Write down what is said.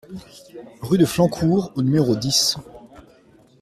Rue de Flancourt au numéro dix